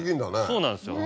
そうなんですよ。